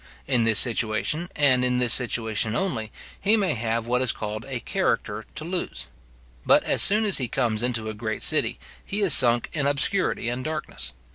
In this situation, and in this situation only, he may have what is called a character to lose. But as soon as he comes into a great city, he is sunk in obscurity and darkness.